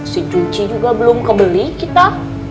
si cuci juga belum kebeli kita